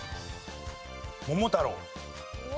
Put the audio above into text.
『桃太郎』。